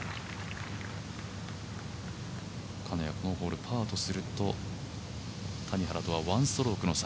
金谷、このホールをパーとすると谷原とは１ストロークの差。